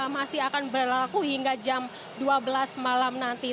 masih akan berlaku hingga jam dua belas malam nanti